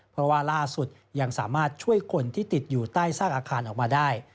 เพราะว่าล่าสุดยังสามารถช่วยคนที่ติดอยู่ใต้ซากอาคารออกมาได้